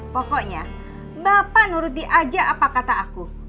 pokoknya bapak nuruti aja apa kata aku